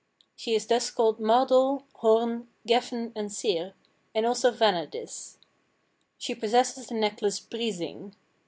She is thus called Mardoll, Horn, Gefn, and Syr, and also Vanadis. She possesses the necklace Brising.